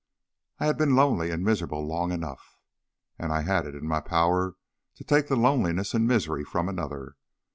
I had been lonely and miserable long enough, and I had it in my power to take the loneliness and misery from another.